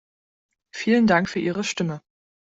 Vielen Dank für Ihre Stimme.